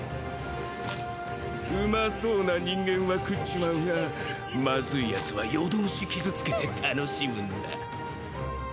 「うまそうな人間は喰っちまうがまずいやつは夜通し傷つけて楽しむんだ」